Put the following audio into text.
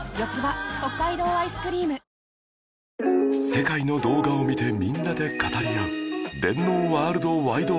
世界の動画を見てみんなで語り合う